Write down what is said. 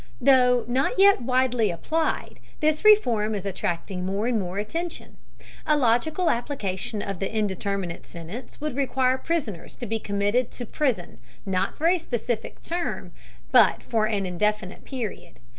Though not yet widely applied, this reform is attracting more and more attention. A logical application of the indeterminate sentence would require prisoners to be committed to prison, not for a specific term, but for an indefinite period.